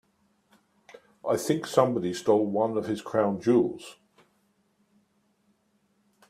I think somebody stole one of his crown jewels.